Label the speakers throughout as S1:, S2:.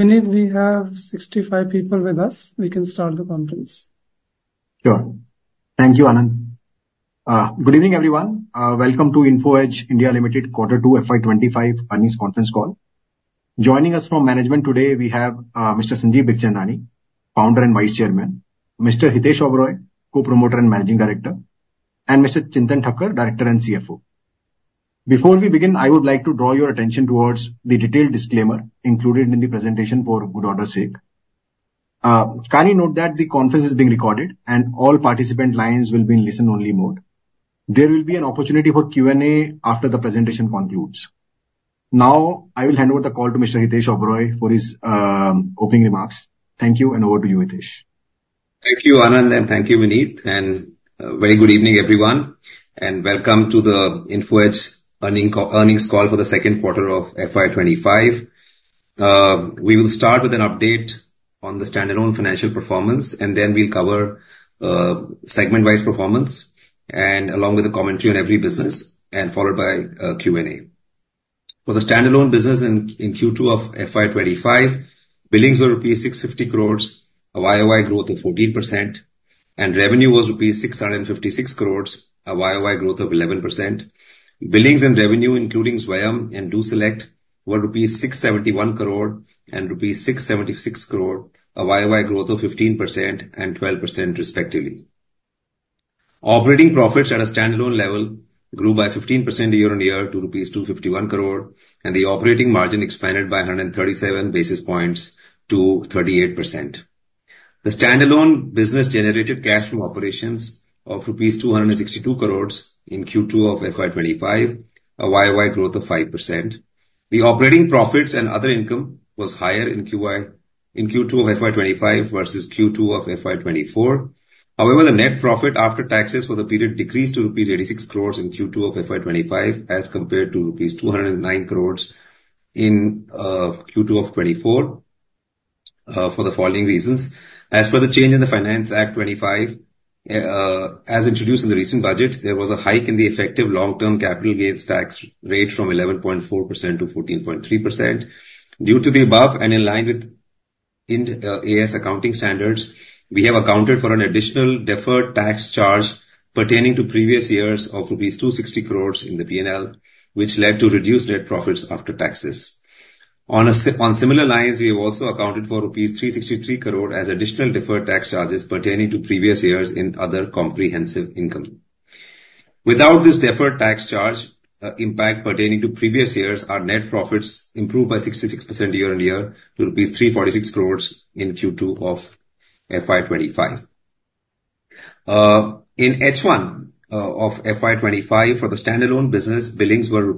S1: Vineet, we have 65 people with us. We can start the conference.
S2: Sure. Thank you, Anand. Good evening, everyone. Welcome to Info Edge (India) Limited Quarter 2 FY25 earnings conference call. Joining us from management today, we have Mr. Sanjeev Bikhchandani, Founder and Vice Chairman, Mr. Hitesh Oberoi, Co-Promoter and Managing Director, and Mr. Chintan Thakkar, Director and CFO. Before we begin, I would like to draw your attention towards the detailed disclaimer included in the presentation for good order's sake. Can you note that the conference is being recorded, and all participant lines will be in listen-only mode? There will be an opportunity for Q&A after the presentation concludes. Now, I will hand over the call to Mr. Hitesh Oberoi for his opening remarks. Thank you, and over to you, Hitesh.
S3: Thank you, Anand, and thank you, Vineet. And very good evening, everyone, and welcome to the Info Edge earnings call for the second quarter of FY25. We will start with an update on the standalone financial performance, and then we'll cover segment-wise performance along with a commentary on every business, followed by a Q&A. For the standalone business in Q2 of FY25, billings were rupees 650 crores, a YoY growth of 14%, and revenue was rupees 656 crores, a YoY growth of 11%. Billings and revenue, including Zwayam and DoSelect, were rupees 671 crore and rupees 676 crore, a YoY growth of 15% and 12%, respectively. Operating profits at a standalone level grew by 15% year-on-year to rupees 251 crore, and the operating margin expanded by 137 basis points to 38%. The standalone business generated cash from operations of rupees 262 crores in Q2 of FY25, a YoY growth of 5%. The operating profits and other income were higher in Q2 of FY25 versus Q2 of FY24. However, the net profit after taxes for the period decreased to rupees 86 crores in Q2 of FY25 as compared to rupees 209 crores in Q2 of 24 for the following reasons. As per the change in the Finance Act 25, as introduced in the recent budget, there was a hike in the effective long-term capital gains tax rate from 11.4% to 14.3%. Due to the above and in line with Ind AS accounting standards, we have accounted for an additional deferred tax charge pertaining to previous years of INR 260 crores in the P&L, which led to reduced net profits after taxes. On similar lines, we have also accounted for rupees 363 crore as additional deferred tax charges pertaining to previous years in other comprehensive income. Without this deferred tax charge impact pertaining to previous years, our net profits improved by 66% year-on-year to rupees 346 crores in Q2 of FY25. In H1 of FY25, for the standalone business, billings were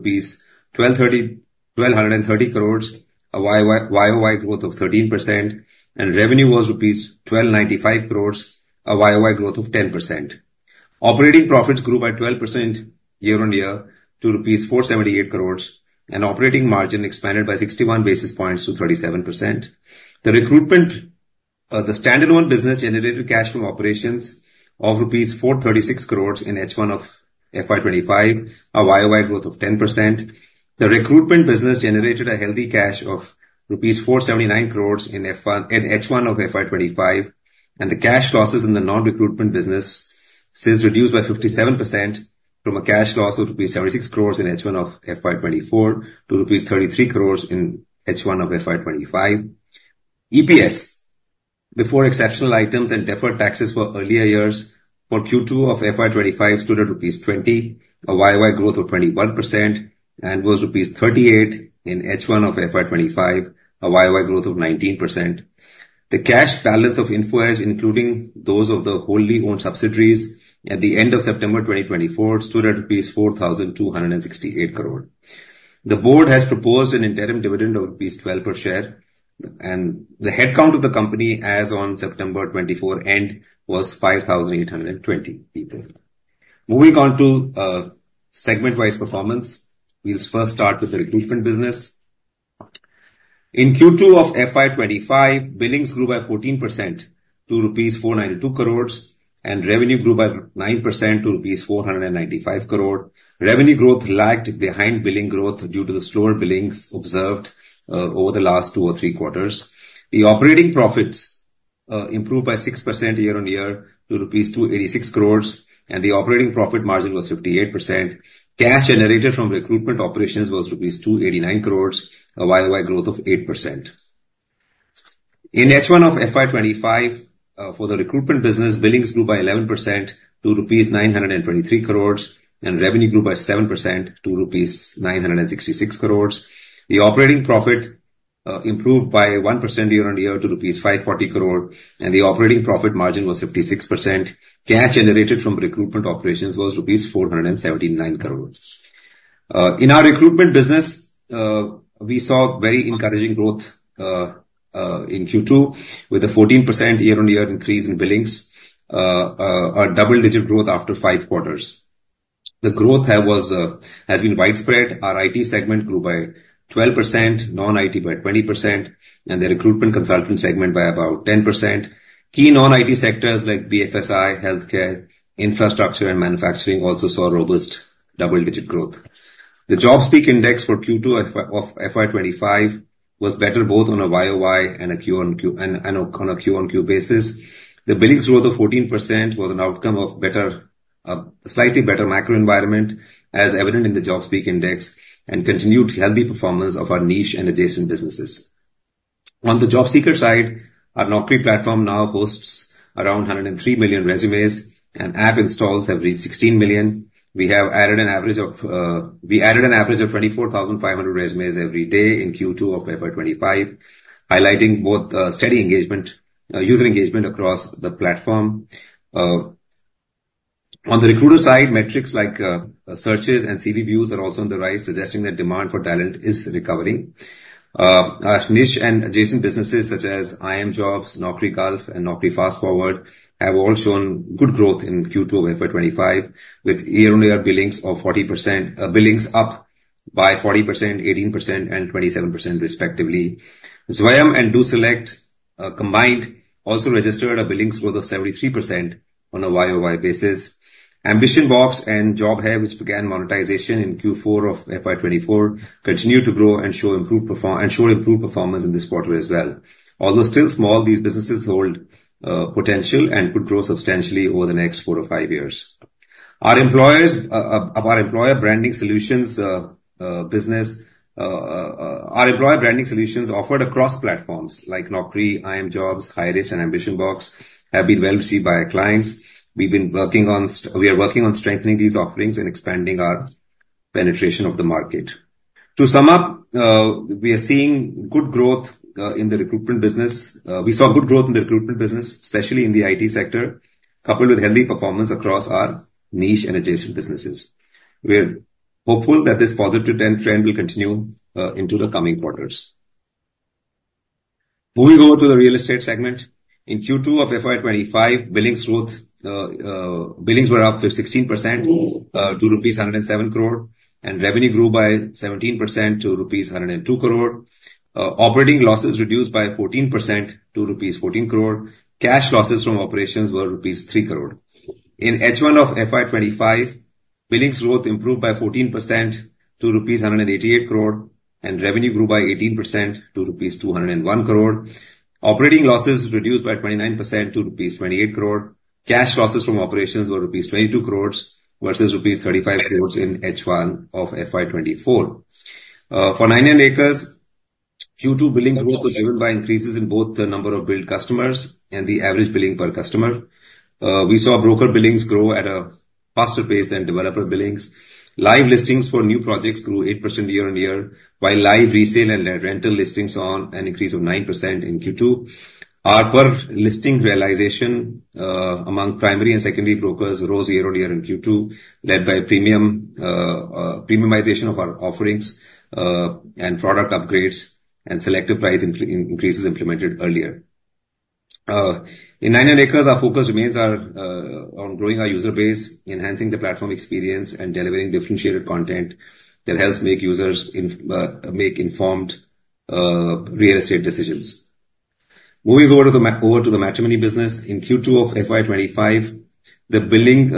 S3: 1230 crores, a YoY growth of 13%, and revenue was rupees 1295 crores, a YoY growth of 10%. Operating profits grew by 12% year-on-year to rupees 478 crores, and operating margin expanded by 61 basis points to 37%. The standalone business generated cash from operations of rupees 436 crores in H1 of FY25, a YoY growth of 10%. The recruitment business generated a healthy cash of rupees 479 crores in H1 of FY25, and the cash losses in the non-recruitment business since reduced by 57% from a cash loss of rupees 76 crores in H1 of FY24 to rupees 33 crores in H1 of FY25. EPS, before exceptional items and deferred taxes for earlier years, for Q2 of FY25 stood at rupees 20, a YoY growth of 21%, and was rupees 38 in H1 of FY25, a YoY growth of 19%. The cash balance of Info Edge, including those of the wholly owned subsidiaries, at the end of September 2024, stood at rupees 4,268 crore. The board has proposed an interim dividend of rupees 12 per share, and the headcount of the company as of September 2024 end was 5,820 people. Moving on to segment-wise performance, we'll first start with the recruitment business. In Q2 of FY25, billings grew by 14% to rupees 492 crores, and revenue grew by 9% to rupees 495 crore. Revenue growth lagged behind billing growth due to the slower billings observed over the last two or three quarters. The operating profits improved by 6% year-on-year to rupees 286 crores, and the operating profit margin was 58%. Cash generated from recruitment operations was ₹289 crores, a YoY growth of 8%. In H1 of FY25, for the recruitment business, billings grew by 11% to ₹923 crores, and revenue grew by 7% to ₹966 crores. The operating profit improved by 1% year-on-year to ₹540 crore, and the operating profit margin was 56%. Cash generated from recruitment operations was ₹479 crore. In our recruitment business, we saw very encouraging growth in Q2 with a 14% year-on-year increase in billings, a double-digit growth after five quarters. The growth has been widespread. Our IT segment grew by 12%, non-IT by 20%, and the recruitment consultant segment by about 10%. Key non-IT sectors like BFSI, healthcare, infrastructure, and manufacturing also saw robust double-digit growth. The JobSpeak index for Q2 of FY25 was better both on a YoY and on a Q on Q basis. The billings growth of 14% was an outcome of a slightly better macro environment, as evident in the JobSpeak index, and continued healthy performance of our niche and adjacent businesses. On the job seeker side, our Naukri platform now hosts around 103 million resumes, and app installs have reached 16 million. We have added an average of 24,500 resumes every day in Q2 of FY25, highlighting both steady user engagement across the platform. On the recruiter side, metrics like searches and CV views are also on the rise, suggesting that demand for talent is recovering. Our niche and adjacent businesses such as iimjobs, Naukrigulf, and Naukri FastForward have all shown good growth in Q2 of FY25, with year-on-year billings up by 40%, 18%, and 27%, respectively. Zwayam and DoSelect combined also registered a billings growth of 73% on a YoY basis. AmbitionBox and JobHai, which began monetization in Q4 of FY24, continue to grow and show improved performance in this quarter as well. Although still small, these businesses hold potential and could grow substantially over the next four to five years. Our employer branding solutions offered across platforms like Naukri, iimjobs, Hirist, and AmbitionBox have been well received by our clients. We are working on strengthening these offerings and expanding our penetration of the market. To sum up, we are seeing good growth in the recruitment business. We saw good growth in the recruitment business, especially in the IT sector, coupled with healthy performance across our niche and adjacent businesses. We're hopeful that this positive trend will continue into the coming quarters. Moving over to the real estate segment, in Q2 of FY25, billings were up 16% to ₹ 107 crore, and revenue grew by 17% to ₹ 102 crore. Operating losses reduced by 14% to ₹14 crore. Cash losses from operations were ₹3 crore. In H1 of FY25, billings growth improved by 14% to ₹188 crore, and revenue grew by 18% to ₹201 crore. Operating losses reduced by 29% to ₹28 crore. Cash losses from operations were ₹22 crores versus ₹35 crores in H1 of FY24. For 99acres, Q2 billing growth was driven by increases in both the number of billed customers and the average billing per customer. We saw broker billings grow at a faster pace than developer billings. Live listings for new projects grew 8% year-on-year, while live resale and rental listings saw an increase of 9% in Q2. Our per-listing realization among primary and secondary brokers rose year-on-year in Q2, led by premiumization of our offerings and product upgrades, and selective price increases implemented earlier. In 99acres, our focus remains on growing our user base, enhancing the platform experience, and delivering differentiated content that helps users make informed real estate decisions. Moving over to the matrimony business, in Q2 of FY25, the billing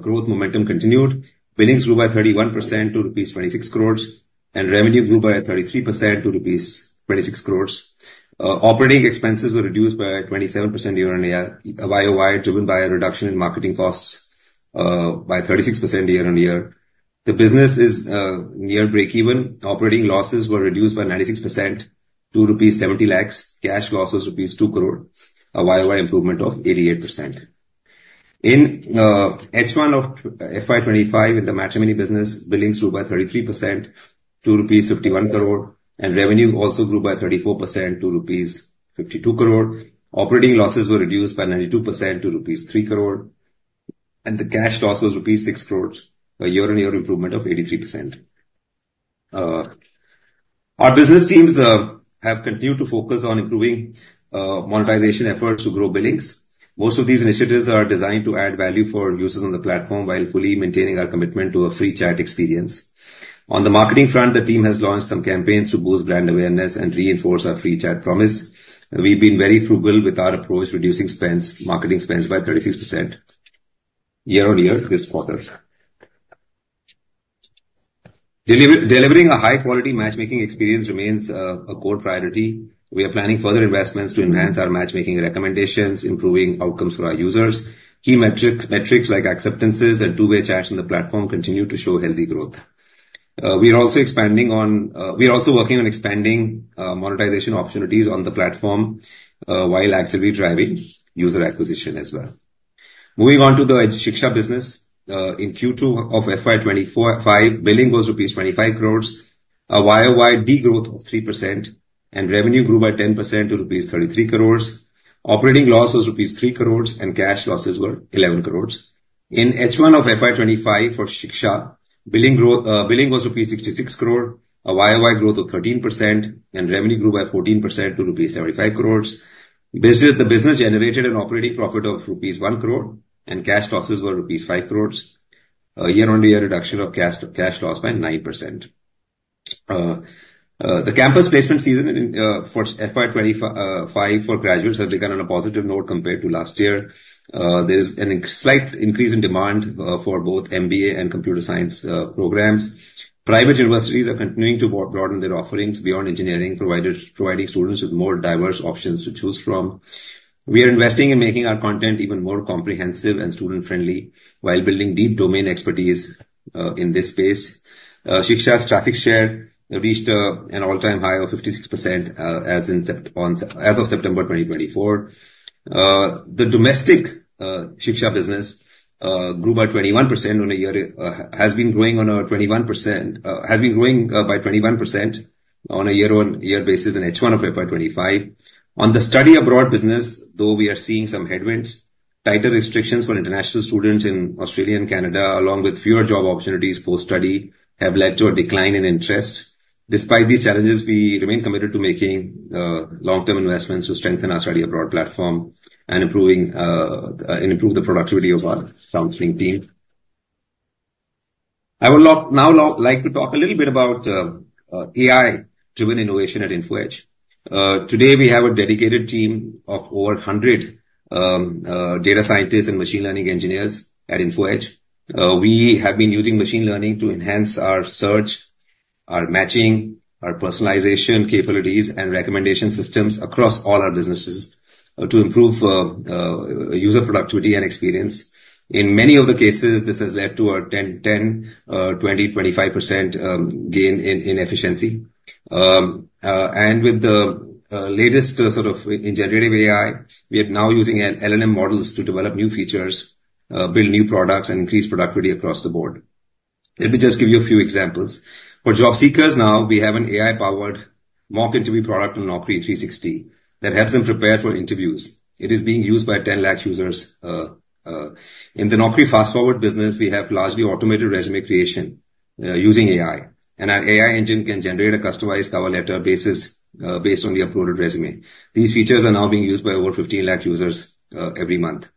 S3: growth momentum continued. Billings grew by 31% to rupees 26 crores, and revenue grew by 33% to rupees 26 crores. Operating expenses were reduced by 27% year-on-year, a YoY driven by a reduction in marketing costs by 36% year-on-year. The business is near break-even. Operating losses were reduced by 96% to rupees 70 lakhs. Cash loss was rupees 2 crore, a YoY improvement of 88%. In H1 of FY25, in the matrimony business, billings grew by 33% to rupees 51 crore, and revenue also grew by 34% to rupees 52 crore. Operating losses were reduced by 92% to rupees 3 crore, and the cash loss was rupees 6 crores, a year-on-year improvement of 83%. Our business teams have continued to focus on improving monetization efforts to grow billings. Most of these initiatives are designed to add value for users on the platform while fully maintaining our commitment to a free chat experience. On the marketing front, the team has launched some campaigns to boost brand awareness and reinforce our free chat promise. We've been very frugal with our approach, reducing marketing spends by 36% year-on-year this quarter. Delivering a high-quality matchmaking experience remains a core priority. We are planning further investments to enhance our matchmaking recommendations, improving outcomes for our users. Key metrics like acceptances and two-way chats on the platform continue to show healthy growth. We are also working on expanding monetization opportunities on the platform while actively driving user acquisition as well. Moving on to the Shiksha business, in Q2 of FY25, billing was rupees 25 crores, a YoY degrowth of 3%, and revenue grew by 10% to rupees 33 crores. Operating loss was rupees 3 crores, and cash losses were 11 crores. In H1 of FY25 for Shiksha, billing was rupees 66 crore, a YoY growth of 13%, and revenue grew by 14% to rupees 75 crores. The business generated an operating profit of rupees 1 crore, and cash losses were rupees 5 crores, a year-on-year reduction of cash loss by 9%. The campus placement season for FY25 for graduates has taken on a positive note compared to last year. There is a slight increase in demand for both MBA and computer science programs. Private universities are continuing to broaden their offerings beyond engineering, providing students with more diverse options to choose from. We are investing in making our content even more comprehensive and student-friendly while building deep domain expertise in this space. Shiksha's traffic share reached an all-time high of 56% as of September 2024. The domestic Shiksha business grew by 21% on a year-on-year basis. It has been growing by 21% on a year-on-year basis in H1 of FY25. On the study abroad business, though we are seeing some headwinds, tighter restrictions for international students in Australia and Canada, along with fewer job opportunities post-study, have led to a decline in interest. Despite these challenges, we remain committed to making long-term investments to strengthen our study abroad platform and improve the productivity of our counseling team. I would now like to talk a little bit about AI-driven innovation at Info Edge. Today, we have a dedicated team of over 100 data scientists and machine learning engineers at Info Edge. We have been using machine learning to enhance our search, our matching, our personalization capabilities, and recommendation systems across all our businesses to improve user productivity and experience. In many of the cases, this has led to a 10, 20, 25% gain in efficiency, and with the latest sort of generative AI, we are now using LLM models to develop new features, build new products, and increase productivity across the board. Let me just give you a few examples. For job seekers now, we have an AI-powered mock interview product on Naukri 360 that helps them prepare for interviews. It is being used by 10 lakh users. In the Naukri FastForward business, we have largely automated resume creation using AI, and our AI engine can generate a customized cover letter based on the uploaded resume. These features are now being used by over 15 lakh users every month.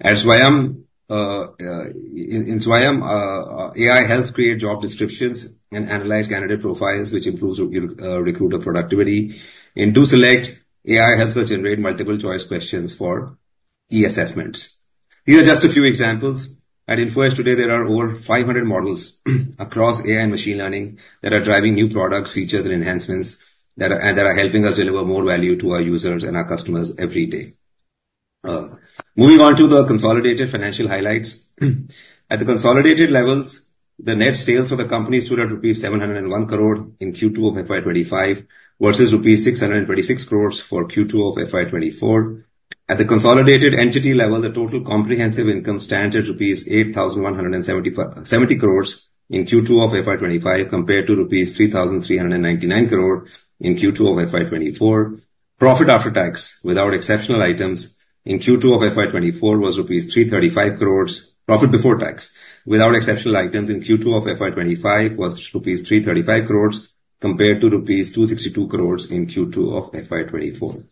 S3: In Zwayam, AI helps create job descriptions and analyze candidate profiles, which improves recruiter productivity. In DoSelect, AI helps us generate multiple choice questions for e-assessments. These are just a few examples. At Info Edge today, there are over 500 models across AI and machine learning that are driving new products, features, and enhancements that are helping us deliver more value to our users and our customers every day. Moving on to the consolidated financial highlights. At the consolidated levels, the net sales for the company stood at rupees 701 crore in Q2 of FY25 versus rupees 626 crores for Q2 of FY24. At the consolidated entity level, the total comprehensive income stands at rupees 8,170 crores in Q2 of FY25 compared to rupees 3,399 crores in Q2 of FY24. Profit after tax, without exceptional items in Q2 of FY24, was rupees 335 crores. Profit before tax, without exceptional items in Q2 of FY25, was rupees 335 crores compared to rupees 262 crores in Q2 of FY24.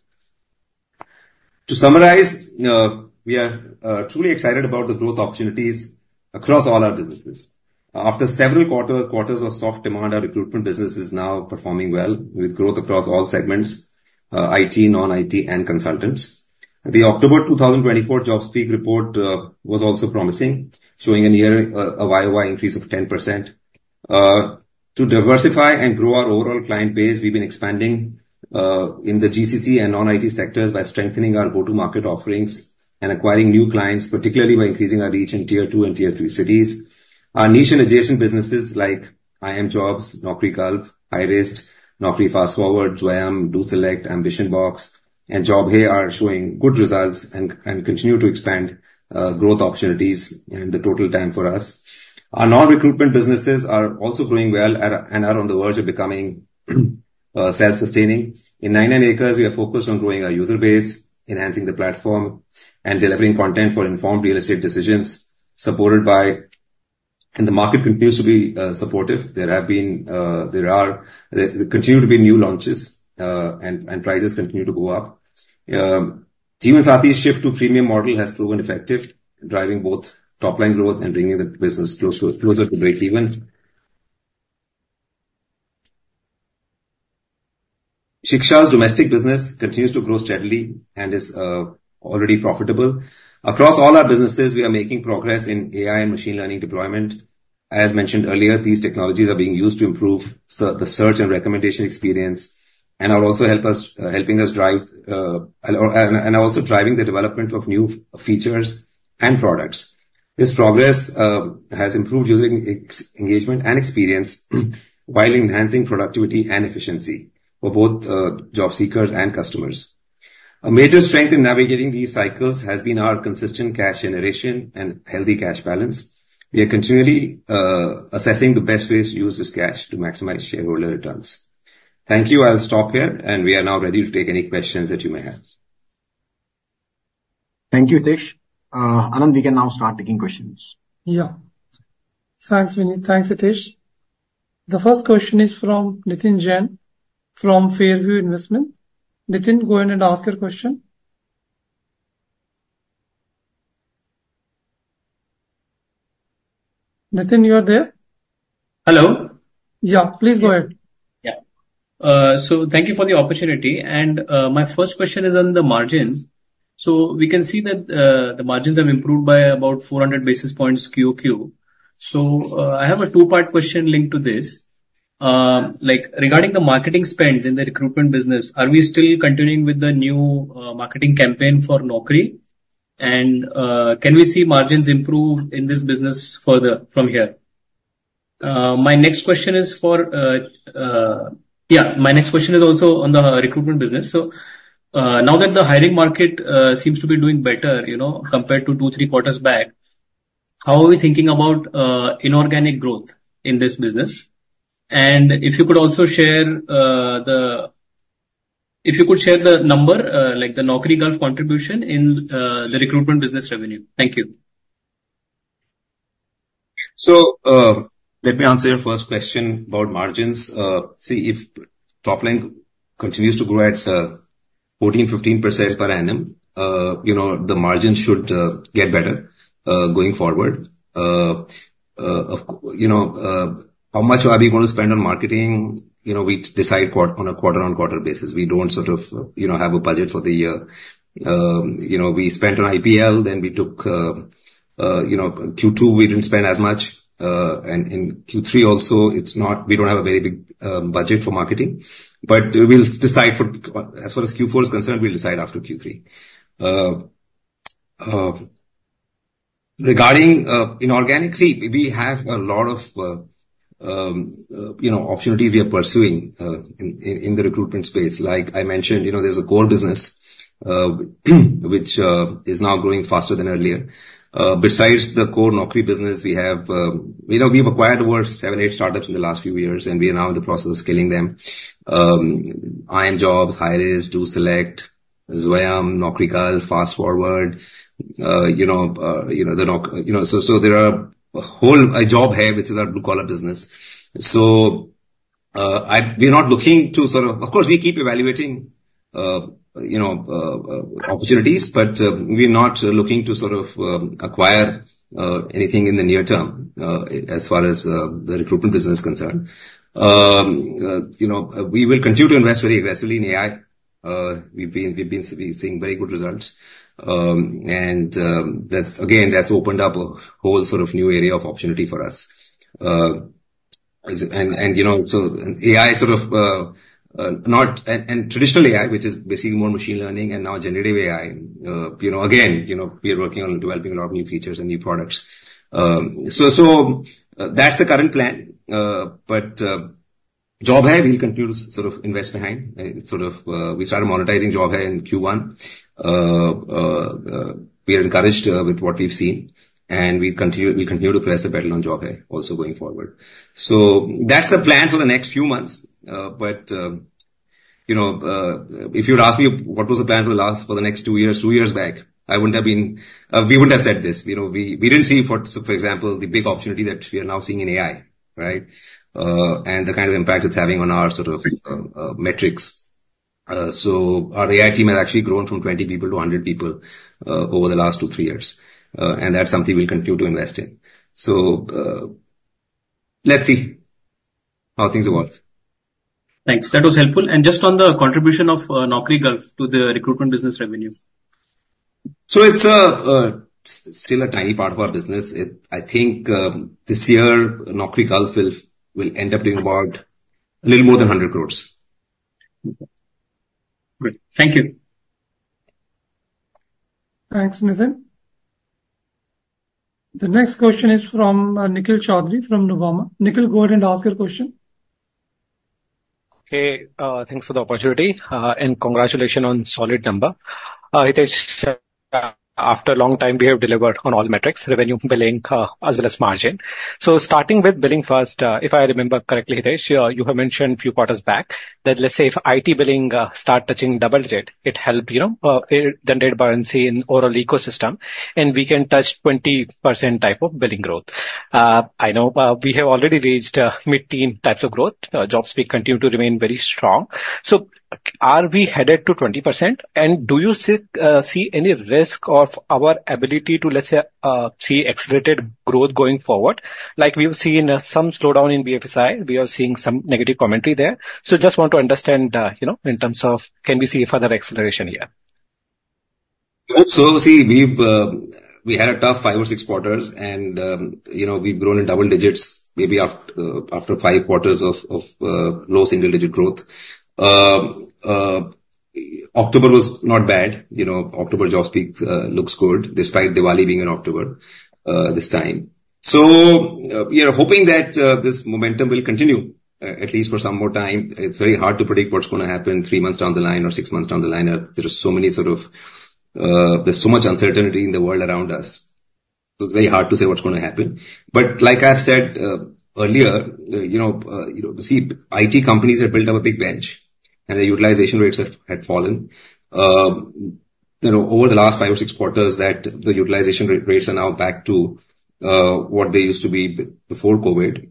S3: To summarize, we are truly excited about the growth opportunities across all our businesses. After several quarters of soft demand, our recruitment business is now performing well with growth across all segments: IT, non-IT, and consultants. The October 2024 JobSpeak report was also promising, showing a YoY increase of 10%. To diversify and grow our overall client base, we've been expanding in the GCC and non-IT sectors by strengthening our go-to-market offerings and acquiring new clients, particularly by increasing our reach in Tier 2 and Tier 3 cities. Our niche and adjacent businesses like iimjobs, Naukrigulf, Hirist, Naukri FastForward, Zwayam, DoSelect, AmbitionBox, and JobHai are showing good results and continue to expand growth opportunities in the total TAM for us. Our non-recruitment businesses are also growing well and are on the verge of becoming self-sustaining. In 99acres, we are focused on growing our user base, enhancing the platform, and delivering content for informed real estate decisions supported by. And the market continues to be supportive. There are continuing to be new launches, and prices continue to go up. 99acres and Jeevansathi's shift to premium model has proven effective, driving both top-line growth and bringing the business closer to break-even. Shiksha's domestic business continues to grow steadily and is already profitable. Across all our businesses, we are making progress in AI and machine learning deployment. As mentioned earlier, these technologies are being used to improve the search and recommendation experience and are also helping us drive the development of new features and products. This progress has improved user engagement and experience while enhancing productivity and efficiency for both job seekers and customers. A major strength in navigating these cycles has been our consistent cash generation and healthy cash balance. We are continually assessing the best ways to use this cash to maximize shareholder returns. Thank you. I'll stop here, and we are now ready to take any questions that you may have.
S2: Thank you, Hitesh. Anand, we can now start taking questions.
S1: Yeah. Thanks, Vineet. Thanks, Hitesh. The first question is from Nitin Jain from Fairview Investment. Nitin, go ahead and ask your question. Nitin, you are there?
S4: Hello.
S1: Yeah, please go ahead.
S4: Yeah. So thank you for the opportunity. And my first question is on the margins. So we can see that the margins have improved by about 400 basis points QQ. So I have a two-part question linked to this. Regarding the marketing spends in the recruitment business, are we still continuing with the new marketing campaign for Naukri? And can we see margins improve in this business further from here? My next question is for, yeah, my next question is also on the recruitment business. So now that the hiring market seems to be doing better compared to two, three quarters back, how are we thinking about inorganic growth in this business? And if you could share the number, like the Naukrigulf contribution in the recruitment business revenue. Thank you.
S3: So let me answer your first question about margins. See, if top-line continues to grow at 14%-15% per annum, the margins should get better going forward. How much are we going to spend on marketing? We decide on a quarter-on-quarter basis. We don't sort of have a budget for the year. We spent on IPL, then we took Q2, we didn't spend as much, and in Q3 also, we don't have a very big budget for marketing. But we'll decide for, as far as Q4 is concerned, we'll decide after Q3. Regarding inorganic, see, we have a lot of opportunities we are pursuing in the recruitment space. Like I mentioned, there's a core business which is now growing faster than earlier. Besides the core Naukri business, we have acquired over seven, eight startups in the last few years, and we are now in the process of scaling them. iimjobs, Hirist, DoSelect, Zwayam, Naukrigulf, FastForward. So there are a whole JobHai, which is our blue-collar business. So we're not looking to sort of, of course, we keep evaluating opportunities, but we're not looking to sort of acquire anything in the near term as far as the recruitment business is concerned. We will continue to invest very aggressively in AI. We've been seeing very good results. And again, that's opened up a whole sort of new area of opportunity for us. And so AI sort of, and traditional AI, which is basically more machine learning and now generative AI. Again, we are working on developing a lot of new features and new products. So that's the current plan. But JobHai, we'll continue to sort of invest behind. We started monetizing JobHai in Q1. We are encouraged with what we've seen. And we continue to press the pedal on JobHai also going forward. So that's the plan for the next few months. But if you'd ask me what was the plan for the next two years, two years back, I wouldn't have been, we wouldn't have said this. We didn't see, for example, the big opportunity that we are now seeing in AI, right? And the kind of impact it's having on our sort of metrics. So our AI team has actually grown from 20 people to 100 people over the last two, three years. And that's something we'll continue to invest in. So let's see how things evolve.
S4: Thanks. That was helpful. And just on the contribution of Naukrigulf to the recruitment business revenue.
S3: So it's still a tiny part of our business. I think this year, Naukrigulf will end up doing about a little more than 100 crores.
S4: Great. Thank you.
S3: Thanks, Nitin.
S1: The next question is from Nikhil Choudhary from Nuvama. Nikhil, go ahead and ask your question.
S5: Okay. Thanks for the opportunity. And congratulations on solid numbers. Hitesh, after a long time, we have delivered on all metrics: revenue, billing, as well as margin. So starting with billing first, if I remember correctly, Hitesh, you have mentioned a few quarters back that let's say if IT billing starts touching double digit, it helps the net burden in the overall ecosystem, and we can touch 20%-type of billing growth. I know we have already reached mid-teen types of growth. JobSpeak continue to remain very strong. So are we headed to 20%? And do you see any risk of our ability to, let's say, see accelerated growth going forward? Like we've seen some slowdown in BFSI. We are seeing some negative commentary there. So just want to understand in terms of can we see further acceleration here?
S3: We had a tough five or six quarters, and we've grown in double digits maybe after five quarters of low single-digit growth. October was not bad. October JobSpeak looks good despite Diwali being in October this time. We are hoping that this momentum will continue at least for some more time. It's very hard to predict what's going to happen three months down the line or six months down the line. There are so many sort of, there's so much uncertainty in the world around us. It's very hard to say what's going to happen. Like I've said earlier, IT companies have built up a big bench, and the utilization rates have fallen. Over the last five or six quarters, the utilization rates are now back to what they used to be before COVID.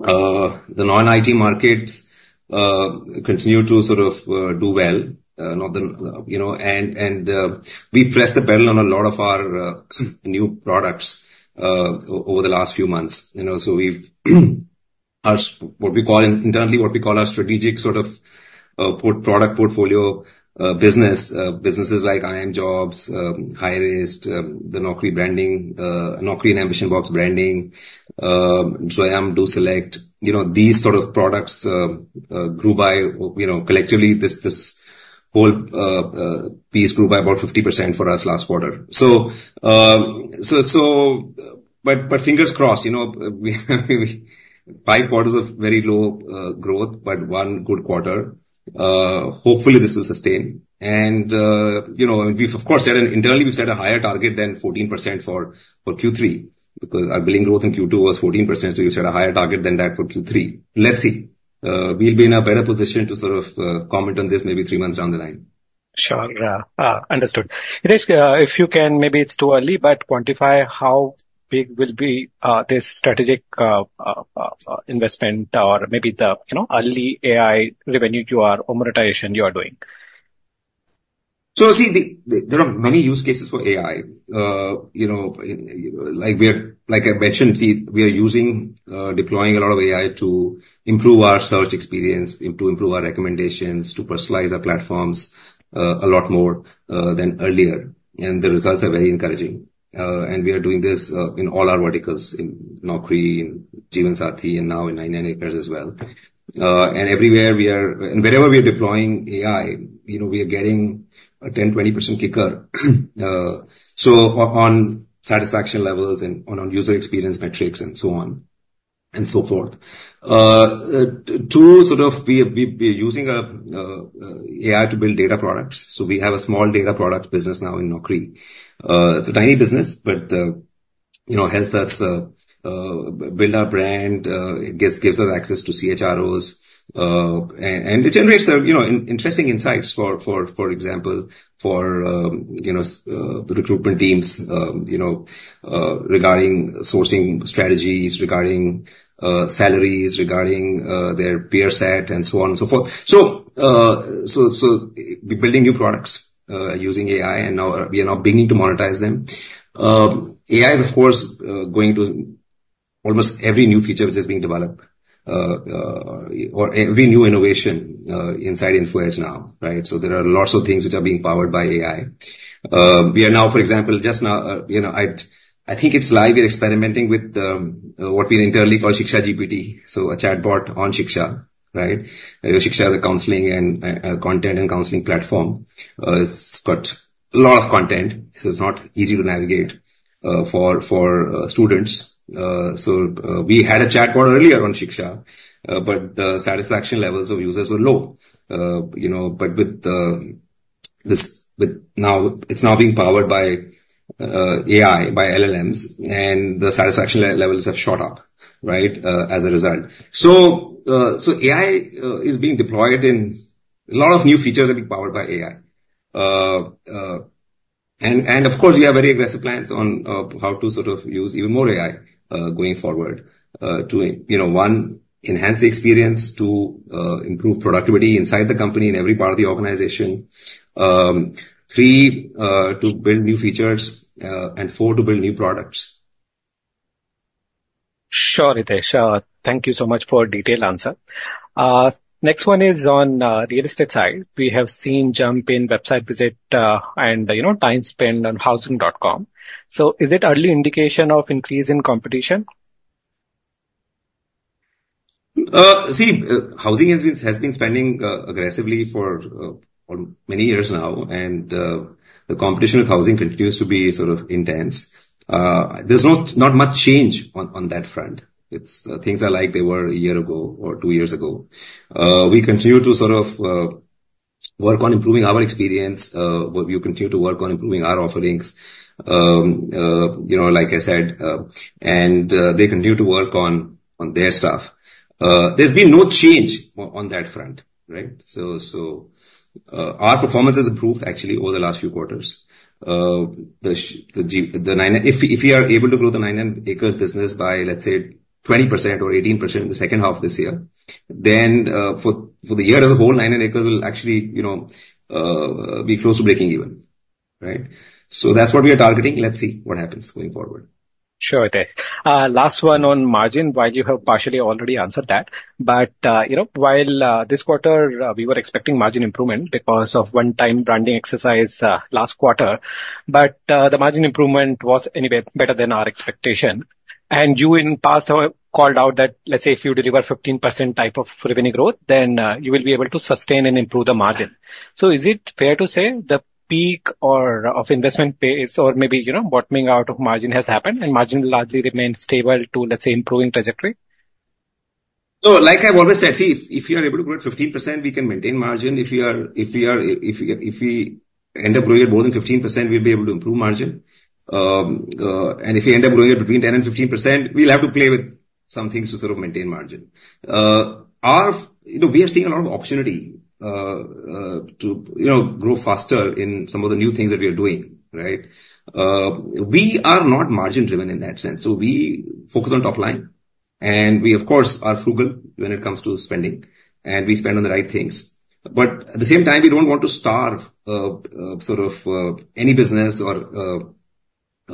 S3: The non-IT markets continue to sort of do well. We pressed the pedal on a lot of our new products over the last few months. We've what we call internally, what we call our strategic sort of product portfolio business, businesses like iimjobs, Hirist, the Naukri branding, Naukri and AmbitionBox branding, Zwayam, DoSelect. These sort of products grew by collectively. This whole piece grew by about 50% for us last quarter. Fingers crossed. Five quarters of very low growth, but one good quarter. Hopefully, this will sustain. Of course, internally, we've set a higher target than 14% for Q3 because our billing growth in Q2 was 14%. We've set a higher target than that for Q3. Let's see. We'll be in a better position to sort of comment on this maybe three months down the line.
S5: Sure. Yeah. Understood. Hitesh, if you can, maybe it's too early, but quantify how big will be this strategic investment or maybe the early AI revenue you are or monetization you are doing.
S3: So see, there are many use cases for AI. Like I mentioned, see, we are using, deploying a lot of AI to improve our search experience, to improve our recommendations, to personalize our platforms a lot more than earlier. And the results are very encouraging. And we are doing this in all our verticals in Naukri, in Jeevansathi, and now in 99acres as well. And everywhere we are, and wherever we are deploying AI, we are getting a 10-20% kicker. So on satisfaction levels and on user experience metrics and so on and so forth. To sort of we are using AI to build data products. We have a small data product business now in Naukri. It's a tiny business, but helps us build our brand. It gives us access to CHROs. And it generates interesting insights, for example, for the recruitment teams regarding sourcing strategies, regarding salaries, regarding their peer set, and so on and so forth. So we're building new products using AI, and now we are now beginning to monetize them. AI is, of course, going to almost every new feature which is being developed or every new innovation inside Info Edge now, right? So there are lots of things which are being powered by AI. We are now, for example, just now, I think it's live. We're experimenting with what we internally call ShikshaGPT. So a chatbot on Shiksha, right? Shiksha is a counseling and content and counseling platform. It's got a lot of content. So it's not easy to navigate for students. So we had a chatbot earlier on Shiksha, but the satisfaction levels of users were low. But with this, now it's being powered by AI, by LLMs, and the satisfaction levels have shot up, right, as a result. So AI is being deployed, and a lot of new features are being powered by AI. And of course, we have very aggressive plans on how to sort of use even more AI going forward too. One, enhance the experience to improve productivity inside the company in every part of the organization. Three, to build new features, and four, to build new products.
S5: Sure, Hitesh. Thank you so much for detailed answer. Next one is on real estate side. We have seen jump in website visit and time spent on Housing.com. So is it early indication of increase in competition?
S3: See, housing has been spending aggressively for many years now, and the competition with housing continues to be sort of intense. There's not much change on that front. Things are like they were a year ago or two years ago. We continue to sort of work on improving our experience. We continue to work on improving our offerings, like I said. And they continue to work on their stuff. There's been no change on that front, right? So our performance has improved, actually, over the last few quarters. If we are able to grow the 99acres business by, let's say, 20% or 18% in the second half of this year, then for the year as a whole, 99acres will actually be close to breaking even, right? So that's what we are targeting. Let's see what happens going forward.
S5: Sure, Hitesh. Last one on margin, while you have partially already answered that. But while this quarter, we were expecting margin improvement because of one-time branding exercise last quarter, but the margin improvement was anyway better than our expectation. And you in the past have called out that, let's say, if you deliver 15% type of revenue growth, then you will be able to sustain and improve the margin. So is it fair to say the peak of investment base or maybe bottoming out of margin has happened and margin largely remained stable to, let's say, improving trajectory?
S3: So like I've always said, see, if you are able to grow at 15%, we can maintain margin. If we end up growing at more than 15%, we'll be able to improve margin. And if we end up growing at between 10% and 15%, we'll have to play with some things to sort of maintain margin. We are seeing a lot of opportunity to grow faster in some of the new things that we are doing, right? We are not margin-driven in that sense. So we focus on top line. And we, of course, are frugal when it comes to spending. And we spend on the right things. But at the same time, we don't want to starve sort of any business or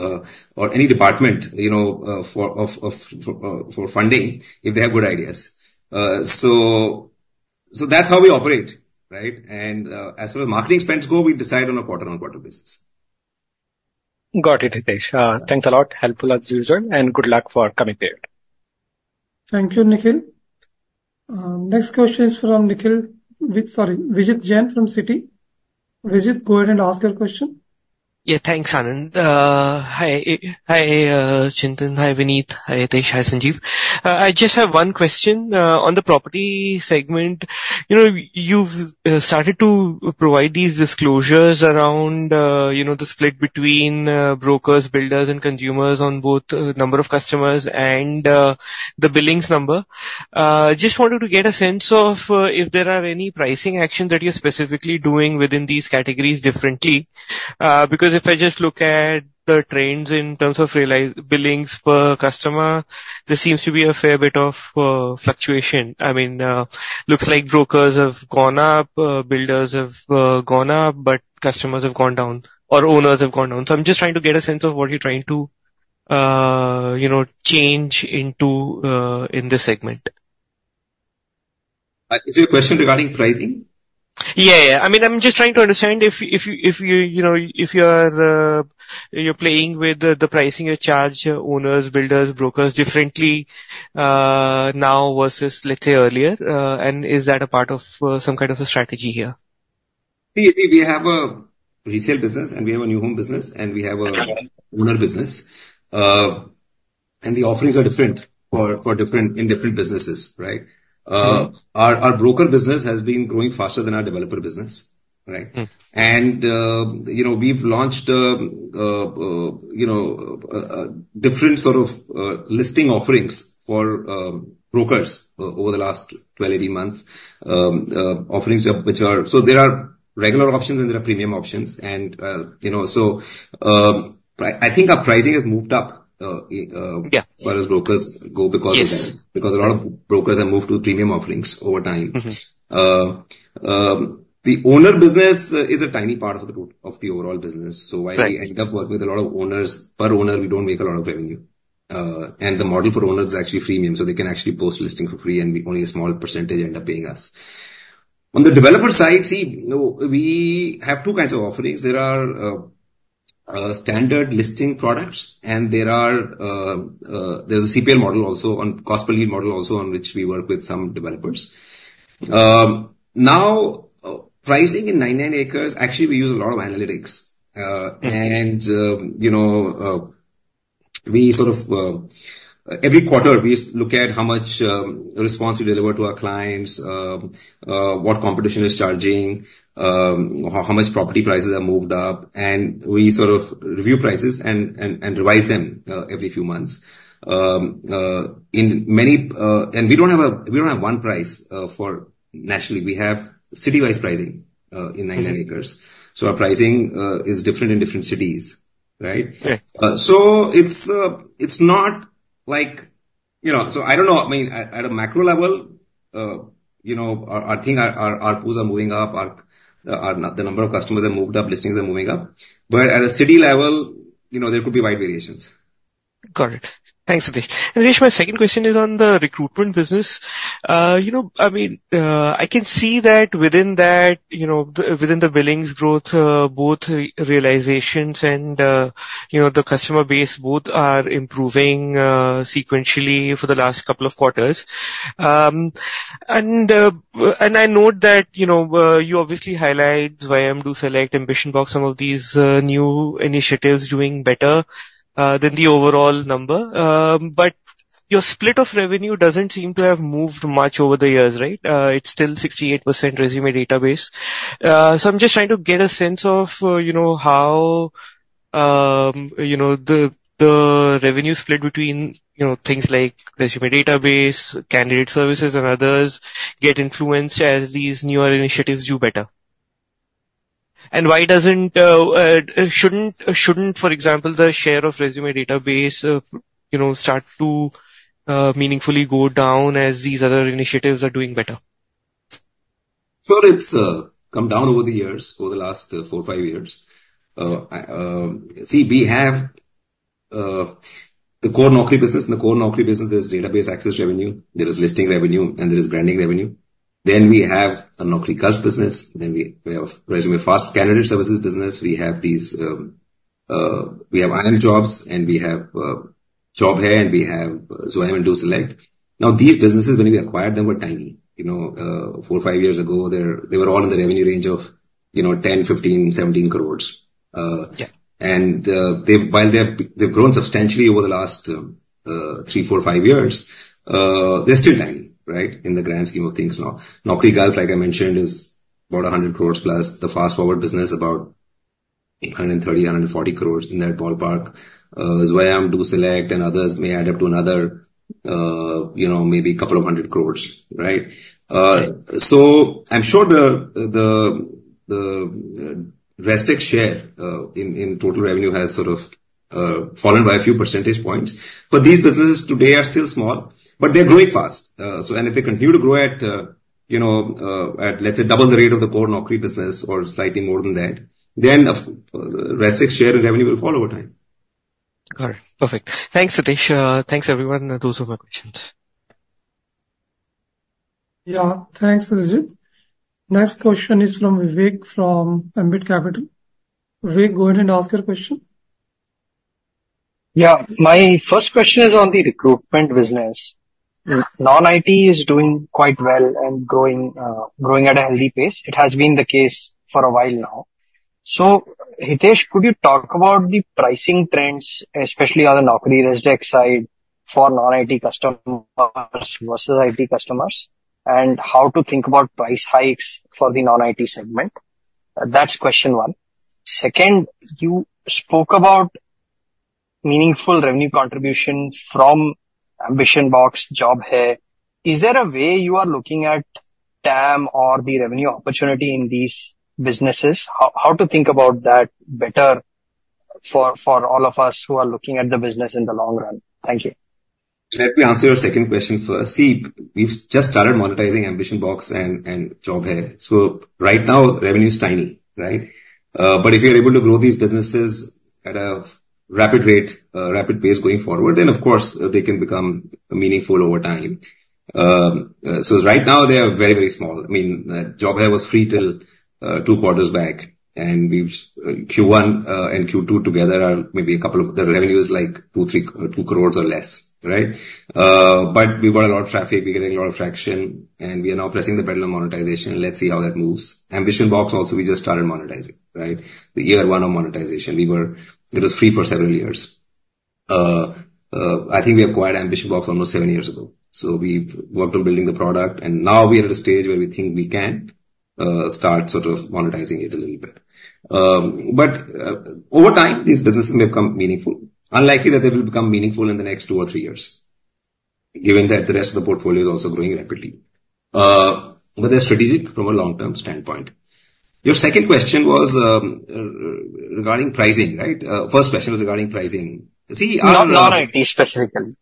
S3: any department for funding if they have good ideas. So that's how we operate, right? And as far as marketing spends go, we decide on a quarter-on-quarter basis.
S5: Got it, Hitesh. Thanks a lot. Helpful as usual. And good luck for coming period.
S1: Thank you, Nikhil. Next question is from Nikhil, sorry, Vijit Jain from Citi. Vijit, go ahead and ask your question.
S6: Yeah, thanks, Anand. Hi, Chintan, hi, Vineet, hi, Hitesh, hi, Sanjeev. I just have one question on the property segment. You've started to provide these disclosures around the split between brokers, builders, and consumers on both the number of customers and the billings number. Just wanted to get a sense of if there are any pricing actions that you're specifically doing within these categories differently. Because if I just look at the trends in terms of billings per customer, there seems to be a fair bit of fluctuation. I mean, looks like brokers have gone up, builders have gone up, but customers have gone down or owners have gone down. So I'm just trying to get a sense of what you're trying to change in this segment.
S3: Is your question regarding pricing?
S6: Yeah, yeah. I mean, I'm just trying to understand if you're playing with the pricing, you charge owners, builders, brokers differently now versus, let's say, earlier, and is that a part of some kind of a strategy here?
S3: See, we have a resale business, and we have a new home business, and we have an owner business, and the offerings are different in different businesses, right? Our broker business has been growing faster than our developer business, right, and we've launched different sort of listing offerings for brokers over the last 12, 18 months, offerings which are so there are regular options, and there are premium options, and so I think our pricing has moved up as far as brokers go because a lot of brokers have moved to premium offerings over time. The owner business is a tiny part of the overall business. So while we end up working with a lot of owners, per owner, we don't make a lot of revenue. And the model for owners is actually freemium. So they can actually post listing for free, and only a small percentage end up paying us. On the developer side, see, we have two kinds of offerings. There are standard listing products, and there's a CPL model also on cost per lead model also on which we work with some developers. Now, pricing in 99acres, actually, we use a lot of analytics. And we sort of every quarter, we look at how much response we deliver to our clients, what competition is charging, how much property prices have moved up. And we sort of review prices and revise them every few months. And we don't have one price for nationally. We have city-wise pricing in 99acres. So our pricing is different in different cities, right? So it's not like I don't know. I mean, at a macro level, I think our pools are moving up. The number of customers have moved up. Listings are moving up. But at a city level, there could be wide variations.
S6: Got it. Thanks, Hitesh. And Hitesh, my second question is on the recruitment business. I mean, I can see that within the billings growth, both realizations and the customer base both are improving sequentially for the last couple of quarters. And I note that you obviously highlight Zwayam, DoSelect, AmbitionBox, some of these new initiatives doing better than the overall number. But your split of revenue doesn't seem to have moved much over the years, right? It's still 68% resume database. So I'm just trying to get a sense of how the revenue split between things like resume database, candidate services, and others get influenced as these newer initiatives do better. And why shouldn't, for example, the share of resume database start to meaningfully go down as these other initiatives are doing better?
S3: Sure. It's come down over the years, over the last four or five years. See, we have the core Naukri business. In the core Naukri business, there's database access revenue. There is listing revenue, and there is branding revenue. Then we have a Naukri Fast business. Then we have resume fast candidate services business. We have iimjobs, and we have JobHai, and we have Zwayam and DoSelect. Now, these businesses, when we acquired them, were tiny. Four or five years ago, they were all in the revenue range of 10, 15, 17 crores. And while they've grown substantially over the last three, four, five years, they're still tiny, right, in the grand scheme of things now. Naukrigulf, like I mentioned, is about 100 crores plus. The FastForward business is about 130, 140 crores in that ballpark. Zwayam, DoSelect, and others may add up to another maybe a couple of hundred crores, right? So I'm sure the Resdex's share in total revenue has sort of fallen by a few percentage points. But these businesses today are still small, but they're growing fast. And if they continue to grow at, let's say, double the rate of the core Naukri business or slightly more than that, then Resdex's share in revenue will fall over time.
S6: Got it. Perfect. Thanks, Hitesh. Thanks, everyone. Those are my questions.
S1: Yeah. Thanks, Vijit. Next question is from Vivek from Ambit Capital. Vivek, go ahead and ask your question. Yeah. My first question is on the recruitment business. Non-IT is doing quite well and growing at a healthy pace. It has been the case for a while now. So Hitesh, could you talk about the pricing trends, especially on the Naukri Recruit side for non-IT customers versus IT customers, and how to think about price hikes for the non-IT segment? That's question one. Second, you spoke about meaningful revenue contribution from AmbitionBox, JobHai. Is there a way you are looking at TAM or the revenue opportunity in these businesses? How to think about that better for all of us who are looking at the business in the long run? Thank you.
S3: Let me answer your second question first. See, we've just started monetizing AmbitionBox and JobHai. So right now, revenue is tiny, right? But if you're able to grow these businesses at a rapid rate, rapid pace going forward, then of course, they can become meaningful over time. So right now, they are very, very small. I mean, JobHai was free till two quarters back. And Q1 and Q2 together are maybe a couple of the revenue is like 2 crores or less, right? But we got a lot of traffic. We're getting a lot of traction. And we are now pressing the pedal of monetization. Let's see how that moves. AmbitionBox also, we just started monetizing, right? The year one of monetization. It was free for several years. I think we acquired AmbitionBox almost seven years ago. So we worked on building the product. And now we are at a stage where we think we can start sort of monetizing it a little bit. But over time, these businesses may become meaningful. Unlikely that they will become meaningful in the next two or three years, given that the rest of the portfolio is also growing rapidly. But they're strategic from a long-term standpoint. Your second question was regarding pricing, right? First question was regarding pricing. See, our.
S7: Not IT specifically.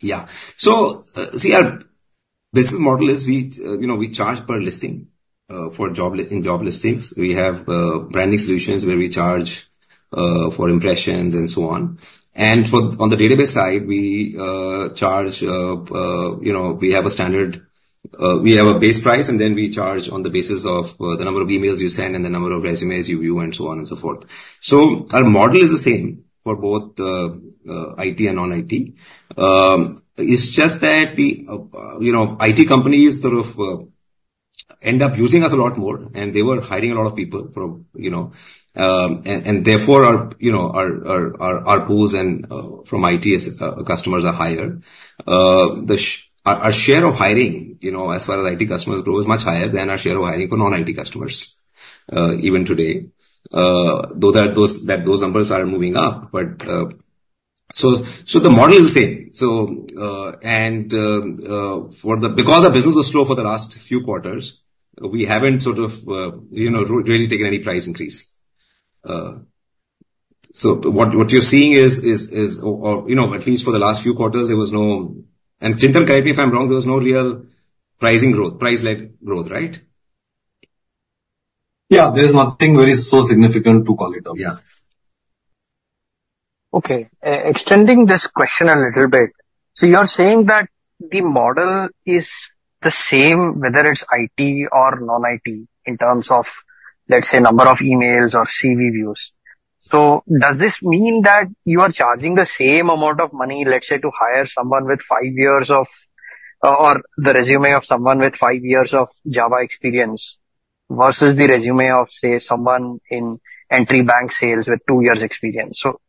S3: Yeah. So see, our business model is we charge per listing for job listings. We have branding solutions where we charge for impressions and so on. And on the database side, we charge. We have a standard base price, and then we charge on the basis of the number of emails you send and the number of resumes you view and so on and so forth. So our model is the same for both IT and non-IT. It's just that the IT companies sort of end up using us a lot more, and they were hiring a lot of people. And therefore, our pools from IT customers are higher. Our share of hiring, as far as IT customers grow, is much higher than our share of hiring for non-IT customers even today. Though those numbers are moving up, but so the model is the same. And because our business was slow for the last few quarters, we haven't sort of really taken any price increase. So what you're seeing is, or at least for the last few quarters, there was no, and Chintan, correct me if I'm wrong, there was no real pricing growth, price-led growth, right?
S8: Yeah. There is nothing very so significant to call it out.
S7: Yeah. Okay. Extending this question a little bit. So you're saying that the model is the same, whether it's IT or non-IT, in terms of, let's say, number of emails or CV views. So does this mean that you are charging the same amount of money, let's say, to hire someone with five years of or the resume of someone with five years of Java experience versus the resume of, say, someone in entry bank sales with two years' experience? So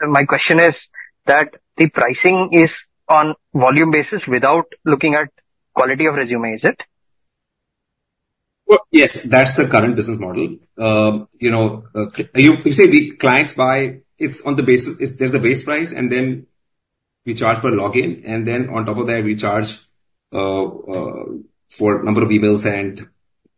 S7: my question is that the pricing is on volume basis without looking at quality of resume, is it?
S3: Yes. That's the current business model. You say clients buy, it's on the basis there's a base price, and then we charge per login. And then on top of that, we charge for number of emails sent,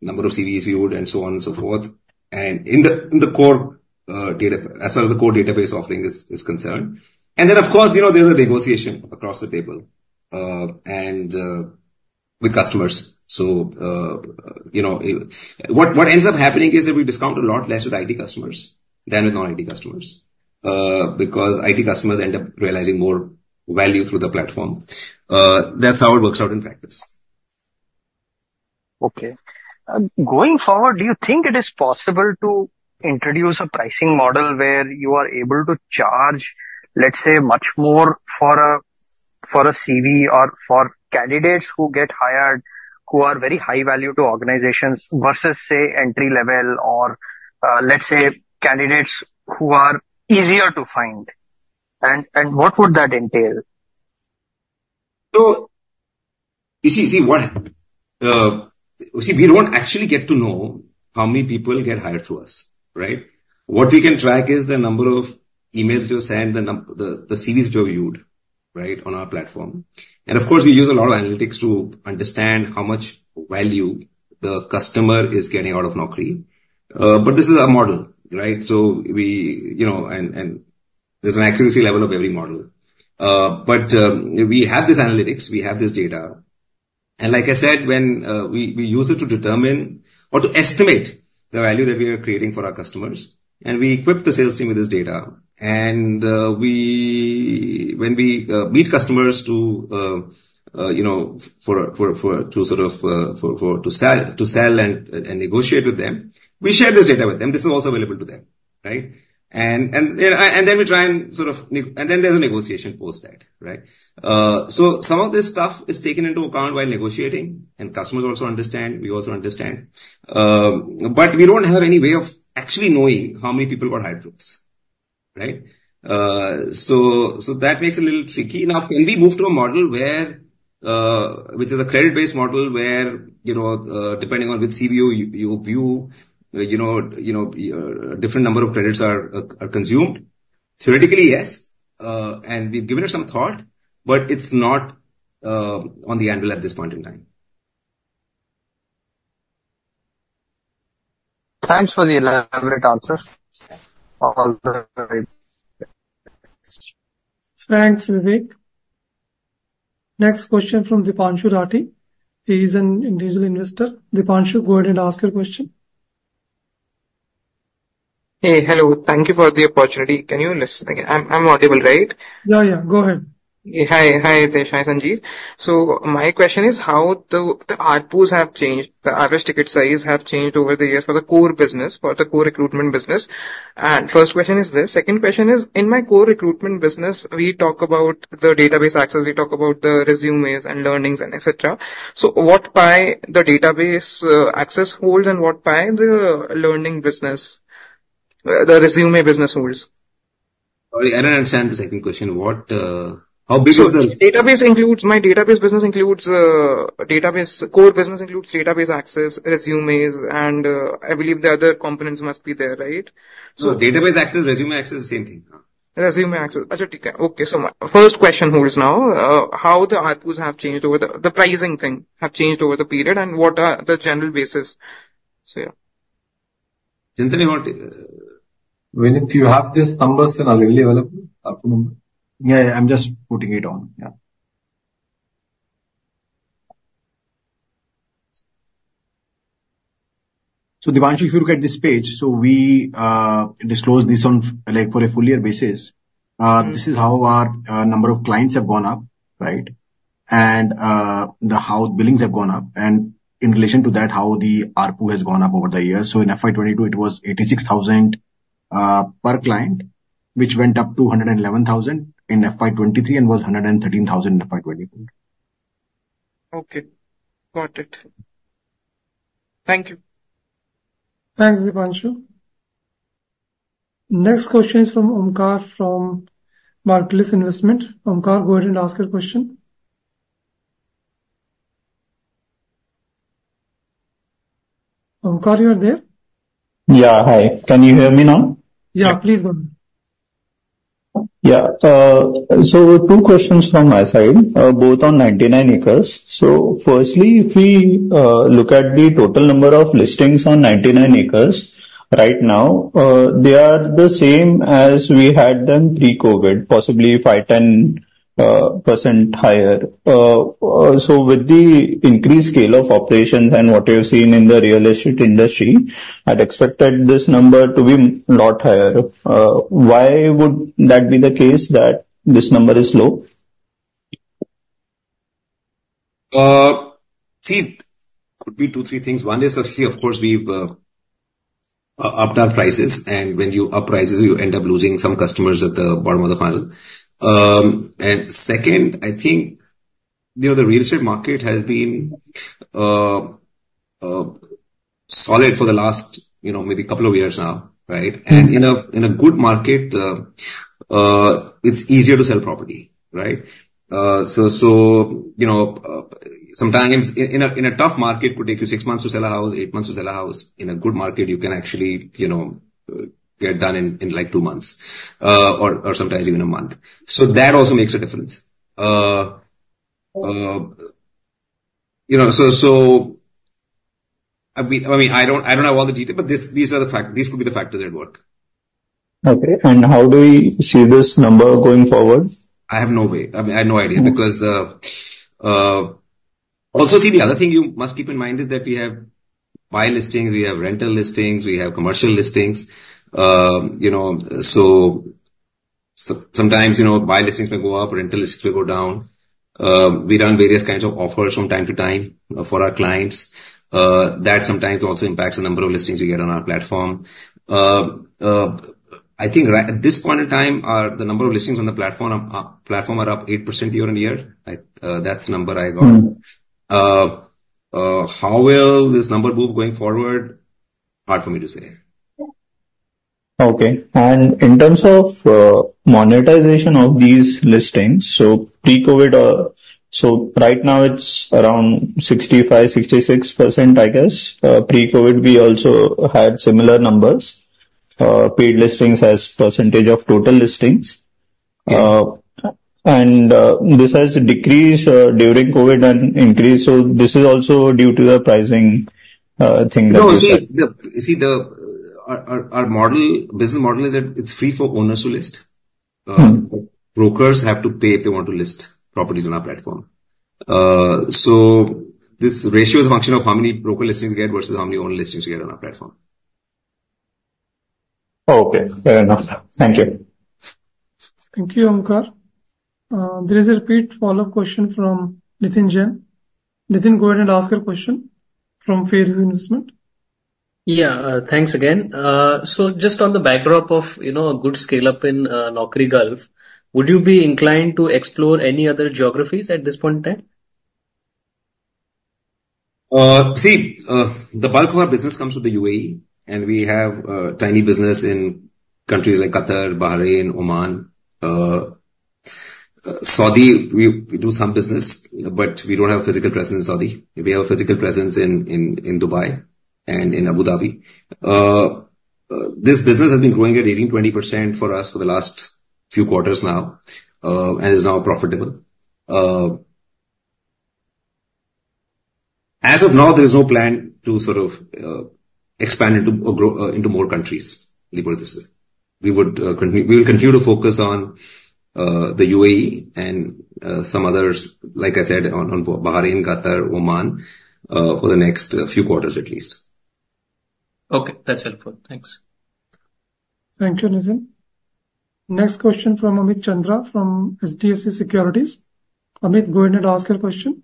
S3: number of CVs viewed, and so on and so forth. In the core data, as far as the core database offering is concerned. Then, of course, there's a negotiation across the table with customers. What ends up happening is that we discount a lot less with IT customers than with non-IT customers because IT customers end up realizing more value through the platform. That's how it works out in practice.
S7: Okay. Going forward, do you think it is possible to introduce a pricing model where you are able to charge, let's say, much more for a CV or for candidates who get hired who are very high value to organizations versus, say, entry-level or, let's say, candidates who are easier to find? And what would that entail?
S3: So you see, what we don't actually get to know how many people get hired through us, right? What we can track is the number of emails that were sent, the CVs that were viewed, right, on our platform. And of course, we use a lot of analytics to understand how much value the customer is getting out of Naukri. But this is our model, right? So there's an accuracy level of every model. But we have this analytics. We have this data. And like I said, we use it to determine or to estimate the value that we are creating for our customers. And we equip the sales team with this data. And when we meet customers to sort of to sell and negotiate with them, we share this data with them. This is also available to them, right? And then we try and sort of and then there's a negotiation post that, right? So some of this stuff is taken into account while negotiating. And customers also understand. We also understand. But we don't have any way of actually knowing how many people got hired through us, right? So that makes it a little tricky. Now, can we move to a model which is a credit-based model where, depending on which CV you view, a different number of credits are consumed? Theoretically, yes. And we've given it some thought, but it's not on the anvil at this point in time.
S7: Thanks for the elaborate answers. All right. Thanks, Vivek. Next question from Dipanshu Rathi. He's an individual investor. Dipanshu, go ahead and ask your question.
S9: Hey, hello. Thank you for the opportunity. Can you listen again? I'm audible, right?
S1: Yeah, yeah. Go ahead.
S9: Hi. Hi, Hitesh and Amit. So my question is how the ARPUs have changed, the Rs ticket size have changed over the years for the core business, for the core recruitment business. And first question is this. Second question is, in my core recruitment business, we talk about the database access. We talk about the resumes and listings and etc. So what part the database access holds and what part the listing business, the resume business holds?
S3: Sorry, I don't understand the second question. How big is the?
S9: So my database business includes database access, resumes, and I believe the other components must be there, right? So database access, resume access, same thing. Resume access. I get it, okay. So my first question holds now, how the ARPUs have changed over the pricing thing have changed over the period and what are the general basis? So yeah.
S3: Chintan, you want?
S8: Vineet, you have these numbers in a readily available article number?
S2: Yeah, I'm just putting it on.
S8: Yeah. So Dipanshu, if you look at this page, so we disclose this on a full year basis. This is how our number of clients have gone up, right? And how the billings have gone up. And in relation to that, how the ARPU has gone up over the years. So in FY22, it was 86,000 per client, which went up to 111,000 in FY23 and was 113,000 in FY24.
S9: Okay. Got it. Thank you.
S1: Thanks, Dipanshu. Next question is from Omkar from Marcellus Investment. Omkar, go ahead and ask your question. Omkar, you are there?
S10: Yeah. Hi. Can you hear me now?
S1: Yeah, please go ahead.
S10: Yeah. So two questions from my side, both on 99 acres. So firstly, if we look at the total number of listings on 99acres right now, they are the same as we had them pre-COVID, possibly five-10% higher. With the increased scale of operations and what we've seen in the real estate industry, I'd expected this number to be a lot higher. Why would that be the case that this number is low?
S3: See, it could be two, three things. One is actually, of course, we've upped our prices. And when you up prices, you end up losing some customers at the bottom of the funnel. And second, I think the real estate market has been solid for the last maybe couple of years now, right? And in a good market, it's easier to sell property, right? So sometimes in a tough market, it could take you six months to sell a house, eight months to sell a house. In a good market, you can actually get done in like two months or sometimes even a month. So that also makes a difference. So I mean, I don't have all the details, but these are the factors. These could be the factors at work.
S10: Okay. And how do we see this number going forward?
S3: I have no way. I have no idea because also see the other thing you must keep in mind is that we have buy listings, we have rental listings, we have commercial listings. So sometimes buy listings may go up, rental listings may go down. We run various kinds of offers from time to time for our clients. That sometimes also impacts the number of listings we get on our platform. I think at this point in time, the number of listings on the platform are up 8% year on year. That's the number I got. How will this number move going forward? Hard for me to say.
S10: Okay. And in terms of monetization of these listings, so pre-COVID, so right now it's around 65%-66%, I guess. Pre-COVID, we also had similar numbers, paid listings as percentage of total listings. And this has decreased during COVID and increased. So this is also due to the pricing thing that we see.
S3: No, see, our business model is that it's free for owners to list. Brokers have to pay if they want to list properties on our platform. So this ratio is a function of how many broker listings we get versus how many owner listings we get on our platform.
S10: Okay. Fair enough. Thank you.
S1: Thank you, Omkar. There is a repeat follow-up question from Nitin Jain. Nitin, go ahead and ask your question from Fairview Investment.
S4: Yeah. Thanks again. So just on the backdrop of a good scale-up in Naukrigulf, would you be inclined to explore any other geographies at this point in time?
S3: See, the bulk of our business comes from the UAE, and we have a tiny business in countries like Qatar, Bahrain, Oman. Saudi, we do some business, but we don't have a physical presence in Saudi. We have a physical presence in Dubai and in Abu Dhabi. This business has been growing at 18%-20% for us for the last few quarters now and is now profitable. As of now, there is no plan to sort of expand into more countries, let me put it this way. We will continue to focus on the UAE and some others, like I said, on Bahrain, Qatar, Oman for the next few quarters at least.
S4: Okay. That's helpful. Thanks.
S1: Thank you, Nitin. Next question from Amit Chandra from HDFC Securities. Amit, go ahead and ask your question.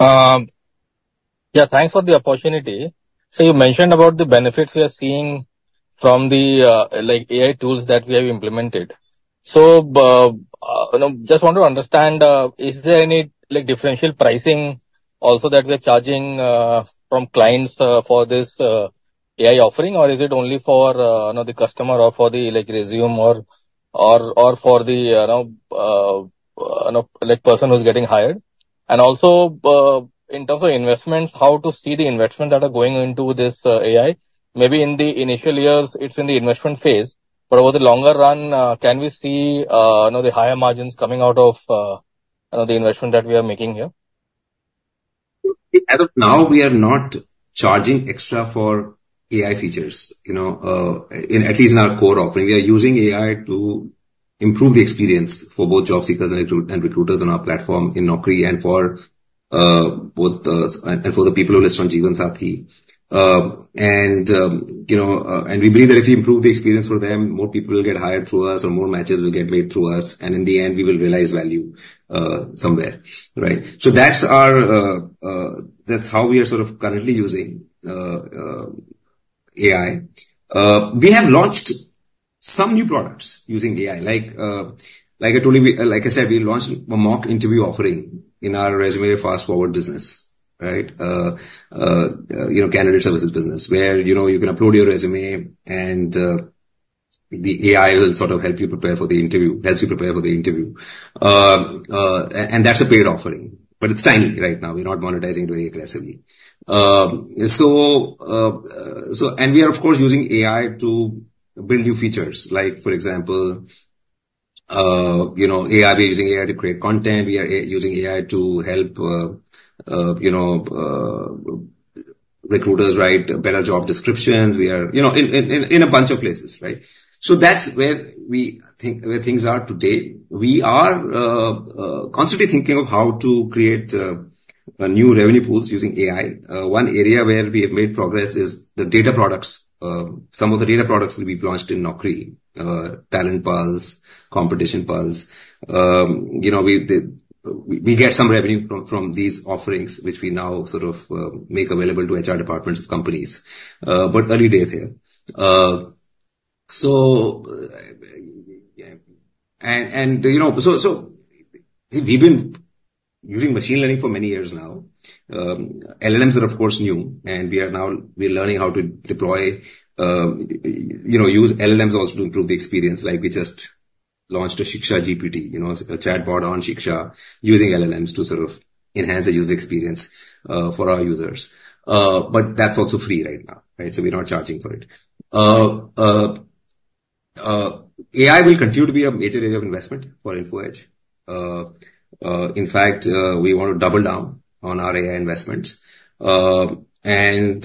S11: Yeah. Thanks for the opportunity. So you mentioned about the benefits we are seeing from the AI tools that we have implemented. So just want to understand, is there any differential pricing also that we are charging from clients for this AI offering, or is it only for the customer or for the resume or for the person who's getting hired? And also in terms of investments, how to see the investments that are going into this AI? Maybe in the initial years, it's in the investment phase, but over the longer run, can we see the higher margins coming out of the investment that we are making here?
S3: As of now, we are not charging extra for AI features, at least in our core offering. We are using AI to improve the experience for both job seekers and recruiters on our platform in Naukri and for both the people who list on Jeevansathi, and we believe that if we improve the experience for them, more people will get hired through us or more matches will get made through us, and in the end, we will realize value somewhere, right, so that's how we are sort of currently using AI. We have launched some new products using AI. Like I said, we launched a mock interview offering in our resume FastForward business, right? Candidate services business, where you can upload your resume and the AI will sort of help you prepare for the interview. And that's a paid offering, but it's tiny right now. We're not monetizing very aggressively. And we are, of course, using AI to build new features. For example, we're using AI to create content. We are using AI to help recruiters write better job descriptions. We are in a bunch of places, right? So that's where we think things are today. We are constantly thinking of how to create new revenue pools using AI. One area where we have made progress is the data products. Some of the data products that we've launched in Naukri, Talent Pulse, Competition Pulse, we get some revenue from these offerings, which we now sort of make available to HR departments of companies. But early days here. And so we've been using machine learning for many years now. LLMs are, of course, new, and we are learning how to deploy, use LLMs also to improve the experience. We just launched a ShikshaGPT, a chatbot on Shiksha using LLMs to sort of enhance the user experience for our users. But that's also free right now, right? So we're not charging for it. AI will continue to be a major area of investment for Info Edge. In fact, we want to double down on our AI investments. And I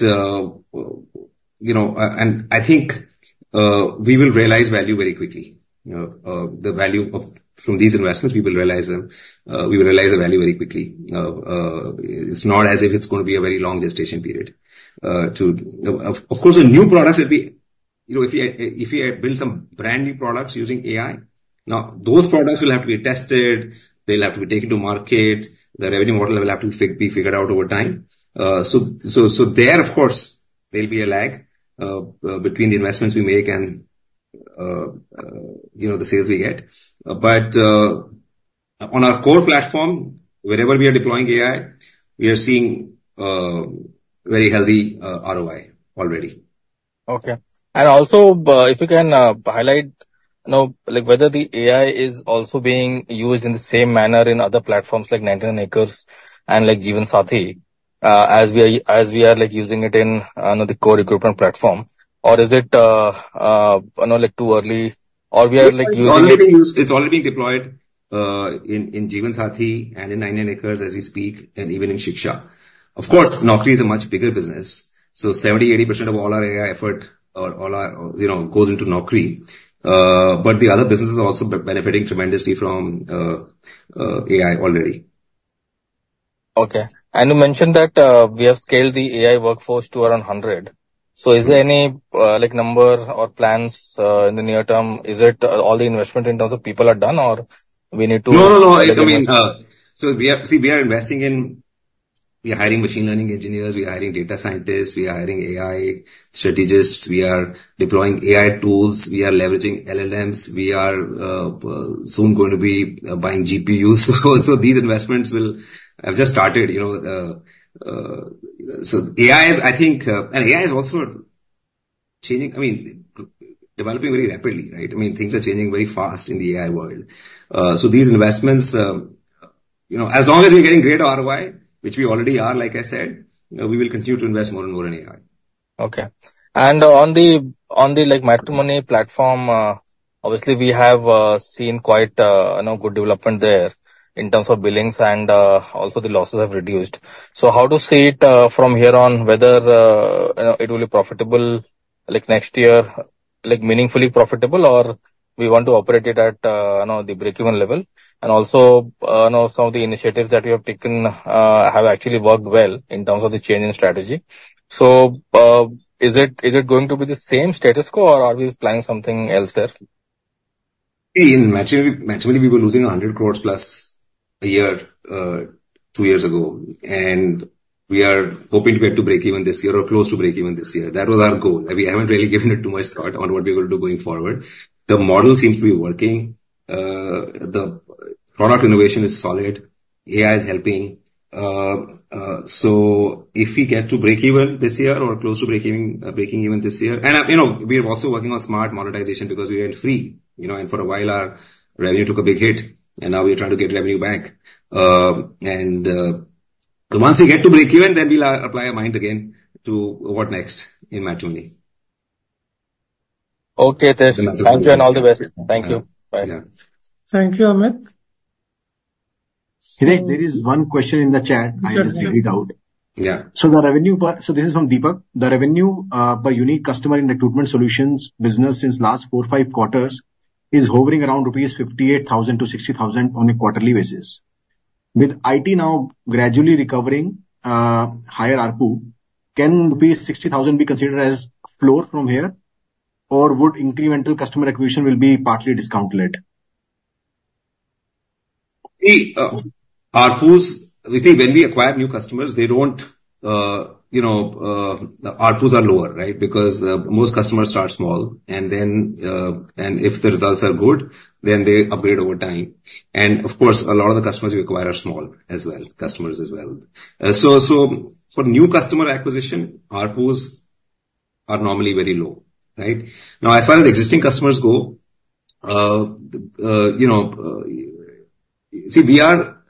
S3: think we will realize value very quickly. The value from these investments, we will realize them. We will realize the value very quickly. It's not as if it's going to be a very long gestation period. Of course, the new products that we build some brand new products using AI, now those products will have to be tested. They'll have to be taken to market. The revenue model will have to be figured out over time. There, of course, there'll be a lag between the investments we make and the sales we get. But on our core platform, wherever we are deploying AI, we are seeing very healthy ROI already.
S11: Okay. And also, if you can highlight whether the AI is also being used in the same manner in other platforms like 99acres and Jeevansathi as we are using it in the core recruitment platform, or is it too early, or we are using?
S3: It's already being deployed in Jeevansathi and in 99acres as we speak, and even in Shiksha. Of course, Naukri is a much bigger business. So 70%-80% of all our AI effort goes into Naukri. But the other businesses are also benefiting tremendously from AI already.
S11: Okay. You mentioned that we have scaled the AI workforce to around 100. So is there any number or plans in the near term? Is it all the investment in terms of people are done, or we need to?
S3: No, no, no. I mean, so see, we are investing in we are hiring machine learning engineers. We are hiring data scientists. We are hiring AI strategists. We are deploying AI tools. We are leveraging LLMs. We are soon going to be buying GPUs. So these investments will have just started. So AI is, I think, and AI is also changing, I mean, developing very rapidly, right? I mean, things are changing very fast in the AI world. So these investments, as long as we're getting greater ROI, which we already are, like I said, we will continue to invest more and more in AI.
S11: Okay. On the matrimony platform, obviously, we have seen quite good development there in terms of billings, and also the losses have reduced. How to see it from here on, whether it will be profitable next year, meaningfully profitable, or we want to operate it at the break-even level? Also, some of the initiatives that we have taken have actually worked well in terms of the change in strategy. Is it going to be the same status quo, or are we planning something else there?
S3: In matrimony, we were losing 100 crores plus a year two years ago, and we are hoping to get to break-even this year or close to break-even this year. That was our goal. We haven't really given it too much thought on what we're going to do going forward. The model seems to be working. The product innovation is solid. AI is helping, so if we get to break-even this year or close to breaking even this year, and we're also working on smart monetization because we went free. And for a while, our revenue took a big hit, and now we're trying to get revenue back. And once we get to break-even, then we'll apply our mind again to what next in matrimony.
S11: Okay, then. Thank you and all the best.
S3: Thank you. Bye.
S1: Thank you, Amit.
S2: Hitesh, there is one question in the chat. I just figured out. Yeah, so the revenue part, so this is from Deepak. The revenue per unique customer in recruitment solutions business since last four, five quarters is hovering around rupees 58,000 to 60,000 on a quarterly basis. With IT now gradually recovering, higher ARPU, can rupees 60,000 be considered as floor from here, or would incremental customer acquisition will be partly discount-led?
S3: See, ARPUs, we think when we acquire new customers, they don't, ARPUs are lower, right? Because most customers start small, and if the results are good, then they upgrade over time. And of course, a lot of the customers we acquire are small as well. So for new customer acquisition, ARPUs are normally very low, right? Now, as far as existing customers go, see, we are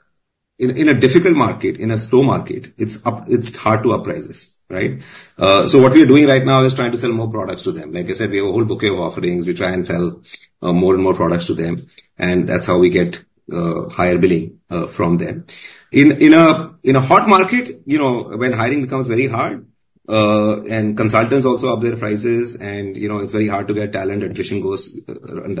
S3: in a difficult market, in a slow market. It's hard to upprice this, right? So what we are doing right now is trying to sell more products to them. Like I said, we have a whole bouquet of offerings. We try and sell more and more products to them, and that's how we get higher billing from them. In a hot market, when hiring becomes very hard and consultants also up their prices and it's very hard to get talent and attrition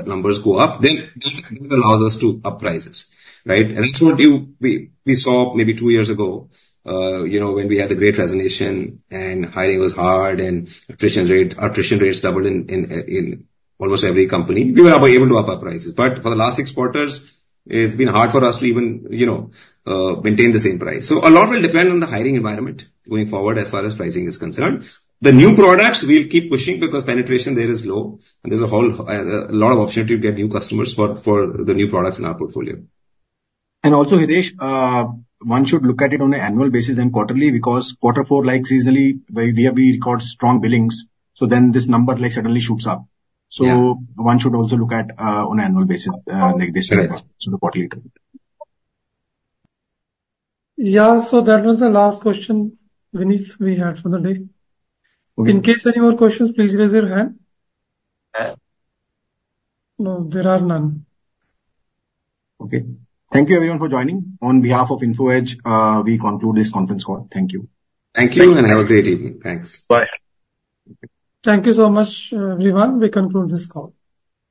S3: numbers go up, then that allows us to upprice this, right? And that's what we saw maybe two years ago when we had the Great Resignation and hiring was hard and attrition rates doubled in almost every company. We were able to up our prices. But for the last six quarters, it's been hard for us to even maintain the same price. So a lot will depend on the hiring environment going forward as far as pricing is concerned. The new products, we'll keep pushing because penetration there is low, and there's a lot of opportunity to get new customers for the new products in our portfolio.
S2: And also, Hitesh, one should look at it on an annual basis and quarterly because quarter four, like seasonally, we have recorded strong billings. So then this number suddenly shoots up. So one should also look at it on an annual basis like this quarterly.
S1: Yeah. So that was the last question, Vineet, we had for the day. In case any more questions, please raise your hand. No, there are none.
S2: Okay. Thank you, everyone, for joining. On behalf of Info Edge, we conclude this conference call. Thank you.
S3: Thank you and have a great evening. Thanks. Bye.
S1: Thank you so much, everyone. We conclude this call.